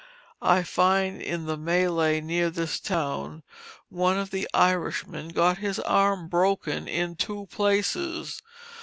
I find in the melee near this town, one of the Irishmen got his arm broken in two places.